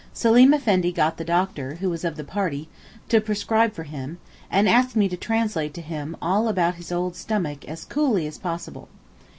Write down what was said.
Seleem Effendi got the doctor, who was of the party, to prescribe for him, and asked me to translate to him all about his old stomach as coolly as possible.